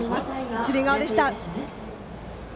一塁側でした。